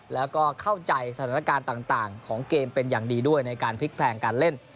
แล้วก็เข้าใจสถานการณ์ต่างของเกมเป็นอย่างดีด้วยในการพลิกแพลงการเล่น